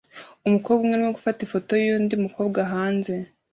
Umukobwa umwe arimo gufata ifoto yundi mukobwa hanze